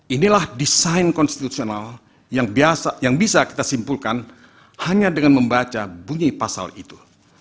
inilah desain konstitusional yang bisa kita simpulkan hanya dengan membaca bunyi pasal itu